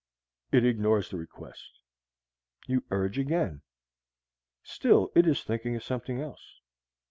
'" It ignores the request. You urge again. Still it is thinking of something else.